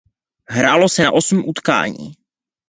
Hrálo se na osm utkání.